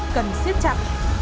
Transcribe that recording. cần siết chặt